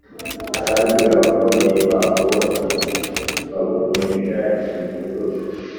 kandi abakomeye baho bose bababohesha iminyururu.